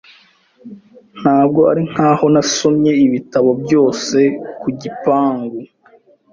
Ntabwo ari nkaho nasomye ibitabo byose ku gipangu.